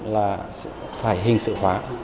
là phải hình sự hóa